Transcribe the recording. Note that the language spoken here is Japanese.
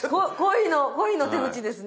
恋の手口ですね。